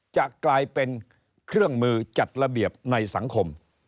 จะกลายเป็นเครื่องมือจัดระเบียบในสังคม